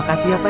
aku disini pak